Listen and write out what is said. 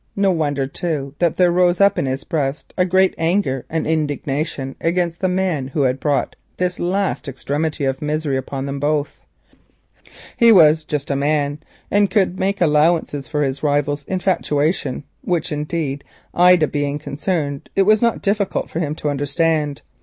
No wonder, too, that there rose up in his breast a great anger and indignation against the man who had brought this last extremity of misery upon them. He was just, and could make allowances for his rival's infatuation—which, indeed, Ida being concerned, it was not difficult for him to understand.